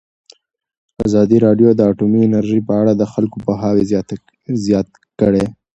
ازادي راډیو د اټومي انرژي په اړه د خلکو پوهاوی زیات کړی.